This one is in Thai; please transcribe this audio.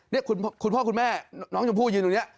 นี่คุณพ่อคุณแม่น้องชมพู่ยืนตรงนี้